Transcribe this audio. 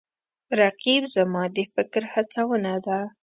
رقیب زما د فکر هڅونه ده